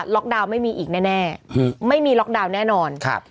ดาวน์ไม่มีอีกแน่ไม่มีล็อกดาวน์แน่นอนครับ